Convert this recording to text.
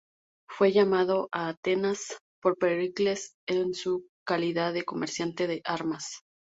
Fue llamado a Atenas por Pericles en su calidad de comerciante de armas.